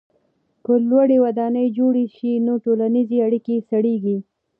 که لوړې ودانۍ جوړې سي نو ټولنیزې اړیکې سړېږي.